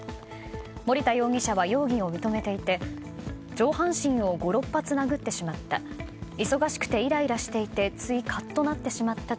森田容疑者は容疑を認めていて上半身を５６発殴ってしまった。